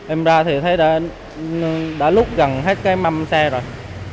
em ra thì thấy đã lúc gần hết cái mâm xe rồi